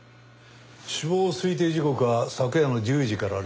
死亡推定時刻は昨夜の１０時から０時の間。